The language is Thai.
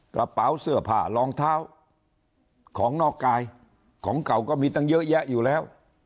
กระเป๋าเสื้อผ้ารองเท้าของนอกกายของเก่าก็มีตั้งเยอะแยะอยู่แล้ว